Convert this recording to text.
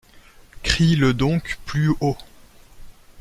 Crie-le donc plus haut.